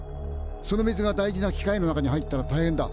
その水が大事な機械の中に入ったら大変だ。